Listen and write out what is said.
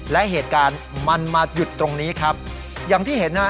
และเหตุการณ์มันมาหยุดตรงนี้ครับอย่างที่เห็นฮะ